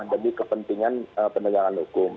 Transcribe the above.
jadi kepentingan penegangan hukum